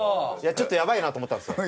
ちょっとやばいなと思ったんですよ。